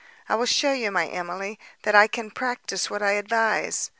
I will show my Emily, that I can practise what I advise.